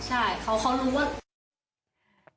ใช่เขารู้ว่า